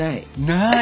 ない！